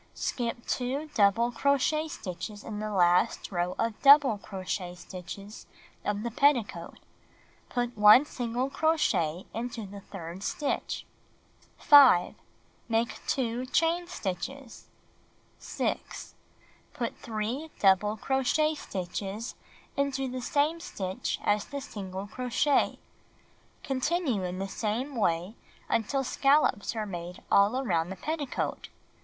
Skip 2 double crochet stitches in the last row of dou ble crochet stitches of the pet ticoat. Put 1 single crochet into the third stitch. ijps. 90 Knitting and Crocheting Book 5. Make 2 chain stitches. 6. Put 3 double crocliet stitches into the same stitch as the single crochet. Continue in same way until scallops are made all around the petticoat.